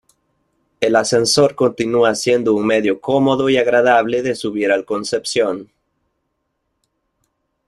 El ascensor continúa siendo un medio cómodo y agradable de subir al Concepción.